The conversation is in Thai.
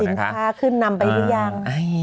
สินค้าขึ้นนำไปหรือยัง